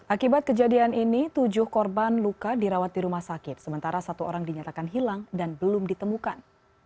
akibat kejadian ini tujuh korban luka dirawat di rumah sakit sementara satu orang dinyatakan hilang dan belum ditemukan